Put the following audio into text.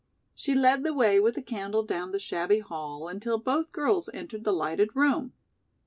She led the way with the candle down the shabby hall until both girls entered the lighted room.